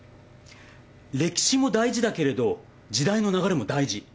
歴史も大事だけれど時代の流れも大事。